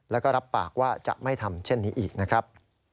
แล้วก็รับปากว่าจะไม่ทำเช่นนี้อีกนะครับ